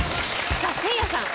さあせいやさん。